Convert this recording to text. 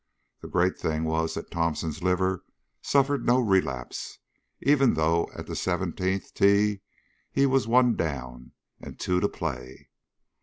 The great thing was that Thomson's liver suffered no relapse; even though, at the seventeenth tee, he was one down and two to play.